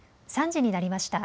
３時になりました。